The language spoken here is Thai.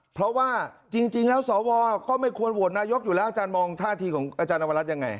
เพราะว่าจริงแล้วสวก็ไม่ควรโหวตนายกอยู่แล้วอาจารย์มองท่าทีของอาจารย์นวรัฐยังไง